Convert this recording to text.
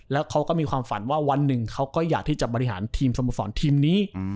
แล้วเขาก็มีความฝันว่าวันหนึ่งเขาก็อยากที่จะบริหารทีมสโมสรทีมนี้